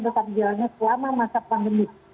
tetap jalannya selama masa pandemi